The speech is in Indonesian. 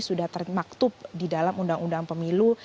sudah termaktub di dalam undang undang pemilu